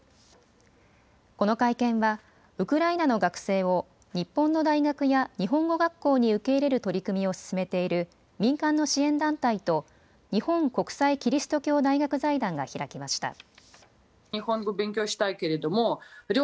この会見はウクライナの学生を日本の大学や日本語学校に受け入れる取り組みを進めている民間の支援団体と日本国際基督教大学財団が開きました。